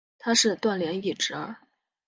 他是段廉义侄儿。